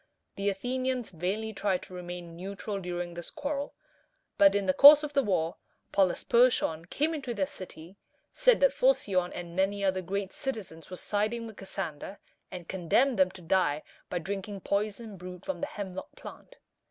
The Athenians vainly tried to remain neutral during this quarrel; but in the course of the war, Polysperchon came into their city, said that Phocion and many other great citizens were siding with Cassander, and condemned them to die by drinking poison brewed from the hemlock plant.